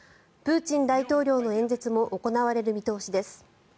プーチン大統領の演説も行われる見通しです。